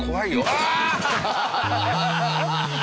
ああ！